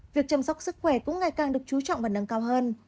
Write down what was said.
việc chăm sóc sức khỏe cũng ngày càng được chú trọng và nâng cao hơn